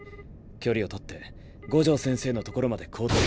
距離を取って五条先生のところまで後退。